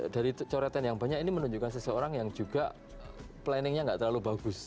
dari coretan yang banyak ini menunjukkan seseorang yang juga planningnya nggak terlalu bagus